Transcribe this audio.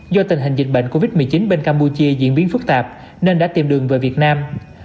do tình hình dịch bệnh covid một mươi chín bên campuchia diễn biến phức tạp nên đã tìm đường về việt nam